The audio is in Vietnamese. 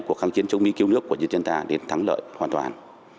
cuộc kháng chiến chống mỹ cứu nước của nhân dân ta đến thắng lợi hoàn toàn